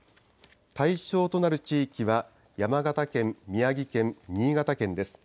対象となる地域は、山形県、宮城県、新潟県です。